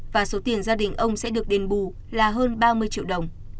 và số tiền gia đình ông sẽ được đền bù là hơn ba mươi triệu đồng